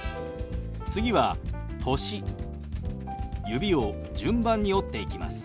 指を順番に折っていきます。